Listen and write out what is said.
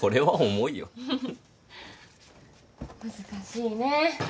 難しいね。